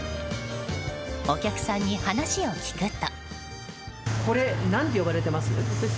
お客さんに話を聞くと。